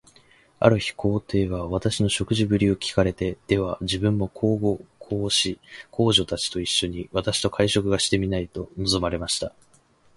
ある日、皇帝は私の食事振りを聞かれて、では自分も皇后、皇子、皇女たちと一しょに、私と会食がしてみたいと望まれました。